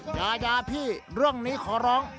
ยายาพี่เรื่องนี้ขอร้อง